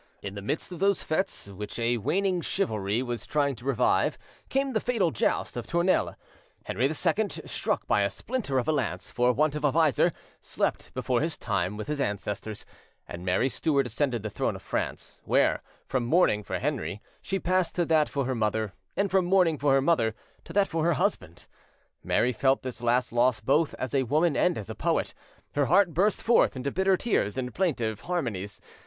In the midst of those fetes which a waning chivalry was trying to revive came the fatal joust of Tournelles: Henry II, struck by a splinter of a lance for want of a visor, slept before his time with his ancestors, and Mary Stuart ascended the throne of France, where, from mourning for Henry, she passed to that for her mother, and from mourning for her mother to that for her husband. Mary felt this last loss both as woman and as poet; her heart burst forth into bitter tears and plaintive harmonies.